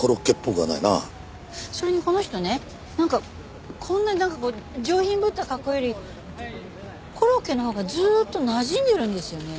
それにこの人ねなんかこんなになんか上品ぶった格好よりコロッケのほうがずっとなじんでるんですよね。